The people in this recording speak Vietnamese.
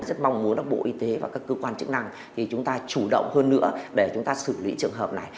rất mong muốn các bộ y tế và các cơ quan chức năng thì chúng ta chủ động hơn nữa để chúng ta xử lý trường hợp này